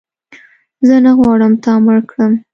زه نه غواړم تا مړ کړم